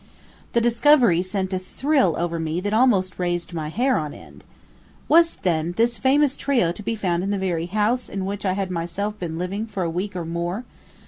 The discovery sent a thrill over me that almost raised my hair on end. Was, then, this famous trio to be found in the very house in which I had been myself living for a week or more?